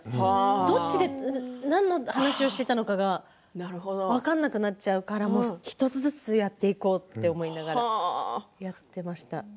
途中で何の話をしていたのか分かんなくなっちゃうから１つずつやっていこうと思いながらやってました。